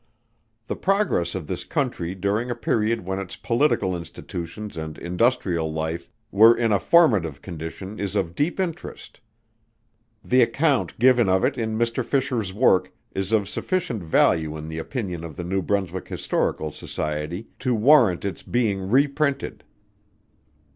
The progress of the country during a period when its political institutions and industrial life were in a formative condition is of deep interest. The account given of it in Mr. Fisher's work is of sufficient value in the opinion of the New Brunswick Historical Society to warrant its being reprinted.